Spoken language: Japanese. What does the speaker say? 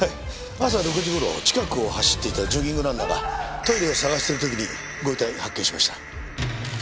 朝６時頃近くを走っていたジョギングランナーがトイレを探している時にご遺体発見しました。